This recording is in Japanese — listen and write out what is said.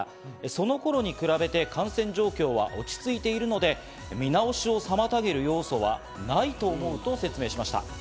その頃に比べて感染状況は落ち着いているので、見直しを妨げる要素はないと思うと説明しました。